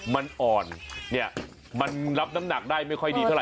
มันอ่อนเนี่ยมันรับน้ำหนักได้ไม่ค่อยดีเท่าไ